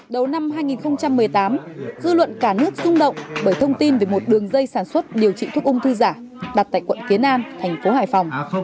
đầu năm hai nghìn một mươi tám dư luận cả nước xúc động bởi thông tin về một đường dây sản xuất điều trị thuốc ung thư giả đặt tại quận kiến an thành phố hải phòng